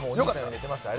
寝てます。